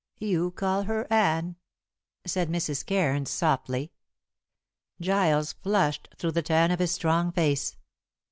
"You call her Anne," said Mrs. Cairns softly. Giles flushed through the tan of his strong face.